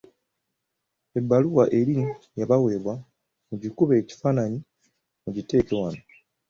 Ebbaluwa eri eyabaweebwa mugikube ekifaananyi mugiteeke wano.